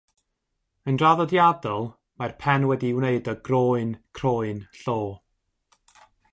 Yn draddodiadol mae'r pen wedi'i wneud o groen croen llo.